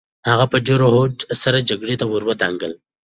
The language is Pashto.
هغه په ډېر هوډ سره جګړې ته ودانګل.